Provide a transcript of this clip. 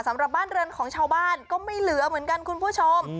สำหรับบ้านเรือนของชาวบ้านก็ไม่เหลือเหมือนกันคุณผู้ชม